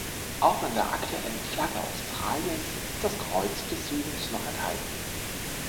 Auch in der aktuellen Flagge Australiens ist das Kreuz des Südens noch enthalten.